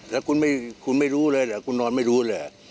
แล้วคุณไม่รู้เลยเหรอคุณนอนไม่รู้เลย